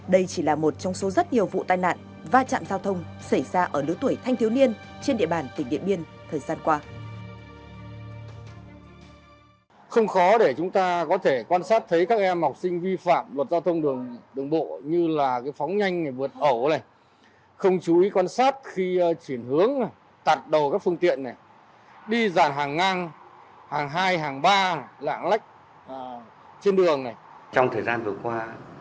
đây chỉ là một trong số rất nhiều vụ tai nạn và trạm giao thông xảy ra ở lứa tuổi thanh thiếu niên trên địa bàn tỉnh điện biên thời gian qua